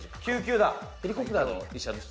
ヘリコプターの医者の人。